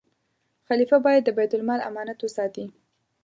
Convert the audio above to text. خلیفه باید د بیت المال امانت وساتي.